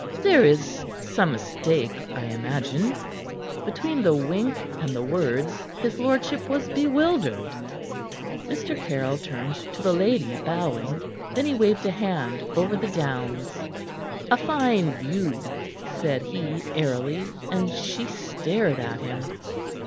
There is some mistake, I imagine." Between the wink and the words his lordship was bewildered. Mr. Caryll turned to the lady, bowing. Then he waved a hand over the downs. "A fine view," said he airily, and she stared at him.